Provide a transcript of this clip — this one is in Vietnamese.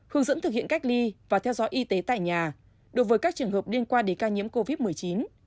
hướng dẫn thực hiện cách ly và theo dõi y tế tại nhà đối với các trường hợp liên quan đến ca nhiễm covid một mươi chín